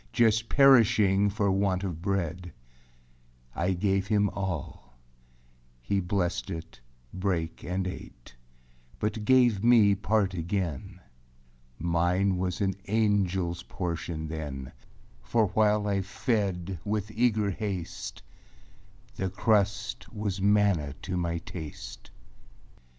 Just perishing for want of bread. I gave him all; he blessed it, brake, And ate, but gave me part again. Mine was an angelâs portion then, For while I fed with eager haste, The crust was manna to my taste.